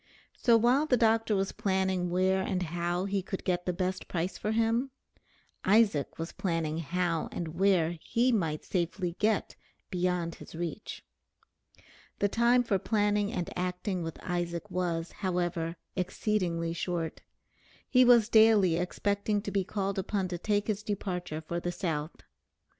So while the doctor was planning where and how he could get the best price for him, Isaac was planning how and where he might safely get beyond his reach. The time for planning and acting with Isaac was, however, exceedingly short. He was daily expecting to be called upon to take his departure for the South.